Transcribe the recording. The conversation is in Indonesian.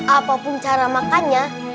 apapun cara makannya